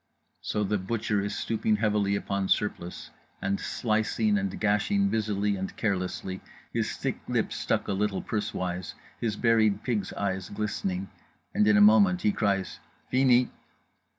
—So The Butcher is stooping heavily upon Surplice and slicing and gashing busily and carelessly, his thick lips stuck a little pursewise, his buried pig's eyes glistening—and in a moment he cries "_Fini!